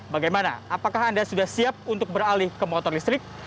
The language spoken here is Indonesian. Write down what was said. bagaimana apakah anda sudah siap untuk beralih ke motor listrik